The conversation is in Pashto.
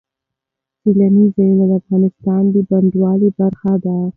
سیلانی ځایونه د افغانستان د بڼوالۍ برخه ده.